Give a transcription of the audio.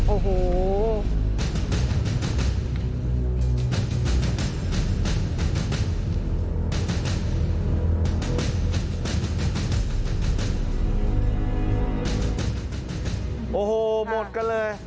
โอ้โหหมดกันเลย